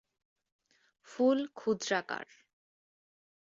ফুল ক্ষুদ্রাকার।